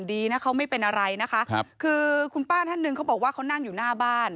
ดีนะเขาไม่เป็นอะไรนะคะครับคือคุณป้าท่านหนึ่งเขาบอกว่าเขานั่งอยู่หน้าบ้าน